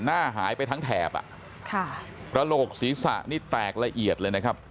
หน้าหายไปทั้งแถบอ่ะค่ะกระโหลกศีรษะนี่แตกละเอียดเลยนะครับ